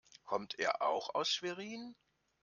Kommt er auch aus Schwerin?